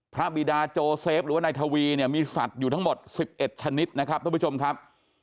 บิดาโจเซฟหรือว่านายทวีเนี่ยมีสัตว์อยู่ทั้งหมด๑๑ชนิดนะครับท่านผู้ชมครับ